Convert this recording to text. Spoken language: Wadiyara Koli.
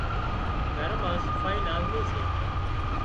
گھر مان صفائي لازمي سي